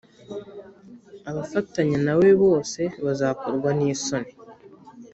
abafatanya na we bose bazakorwa n isoni